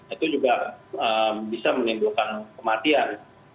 itu juga bisa menimbulkan kematian